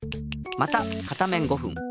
また片面５ふん。